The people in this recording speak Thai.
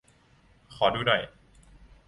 ขอดูหน่อย